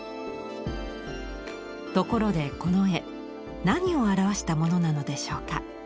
ところでこの絵何を表したものなのでしょうか。